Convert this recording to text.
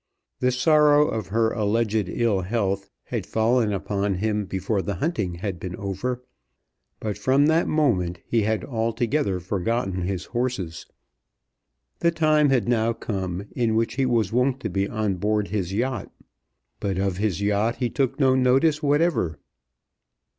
The sorrow of her alleged ill health had fallen upon him before the hunting had been over, but from that moment he had altogether forgotten his horses. The time had now come in which he was wont to be on board his yacht, but of his yacht he took no notice whatever.